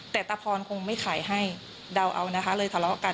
แต่ตะพรคงไม่ขายให้เดาเอานะคะเลยทะเลาะกัน